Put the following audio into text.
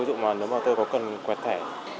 ví dụ mà nếu mà tôi có cần quẹt thẻ